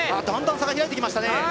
差が開いてきましたね。